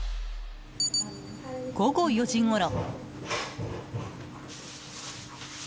午後４時ごろ。